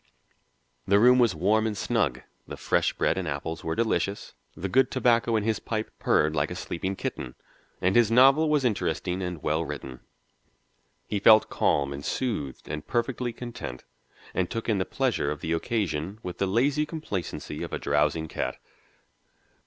The room was warm and snug, the fresh bread and apples were delicious, the good tobacco in his pipe purred like a sleeping kitten, and his novel was interesting and well written. He felt calm and soothed and perfectly content, and took in the pleasure of the occasion with the lazy complacency of a drowsing cat.